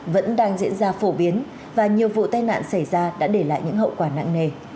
vẫn đang diễn ra phổ biến và nhiều vụ tai nạn xảy ra đã để lại những hậu quả nặng nề